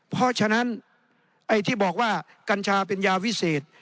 เพราะฉะนั้นไอ้ที่บอกว่ากัญชาเป็นยาวิเศษ